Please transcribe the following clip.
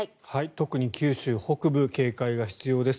特に九州北部警戒が必要です。